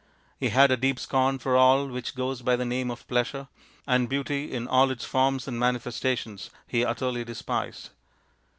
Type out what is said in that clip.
He had a deep scorn for all which goes by the name of pleasure, and beauty in all its forms and manifestations he utterly despised.